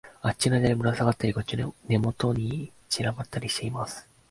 あっちの枝にぶらさがったり、こっちの根元に散らばったりしています